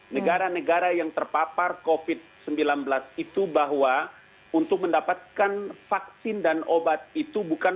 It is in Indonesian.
negara negara yang terpapar covid sembilan belas itu bahwa untuk mendapatkan vaksin dan obat itu bukan